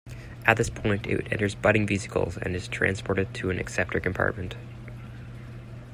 At this point, it enters budding vesicles and is transported to an acceptor compartment.